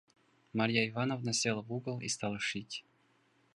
Марья Ивановна села в угол и стала шить.